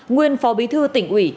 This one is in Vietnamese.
nguyên phó bí thư tỉnh ủy